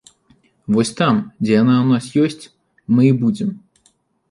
Вось там, дзе яна ў нас ёсць, мы і будзем.